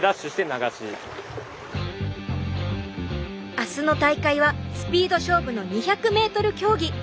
明日の大会はスピード勝負の２００ｍ競技。